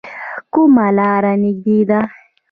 کومه لار نږدې ده؟